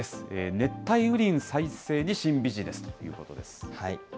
熱帯雨林再生に新ビジネスということです。